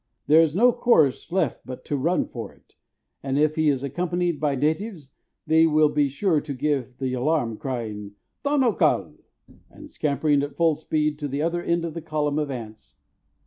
There is no course left but to run for it; if he is accompanied by natives, they will be sure to give the alarm, crying, "Tanóca!" and scampering at full speed to the other end of the column of ants.